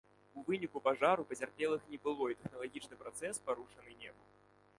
У выніку пажару пацярпелых не было і тэхналагічны працэс парушаны не быў.